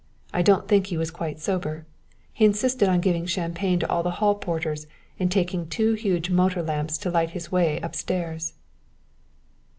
I don't think he was quite sober; he insisted on giving champagne to all the hall porters and taking two huge motor lamps to light his way up stairs."